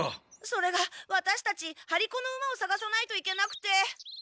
それがワタシたち張り子の馬をさがさないといけなくて。